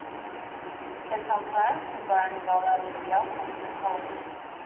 It is sometimes combined with other media, commonly collage.